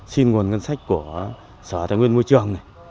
xin nguồn ngân sách của sở tài nguyên môi trường này